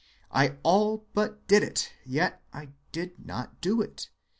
I all but did it, yet I did not do it.